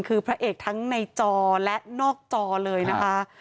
คือพระเอกทั้งในจอและนอกจอเลยนะคะ